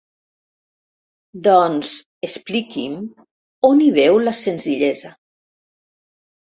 Doncs expliqui'm on hi veu la senzillesa.